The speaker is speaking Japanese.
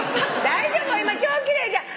大丈夫よ今超奇麗じゃん！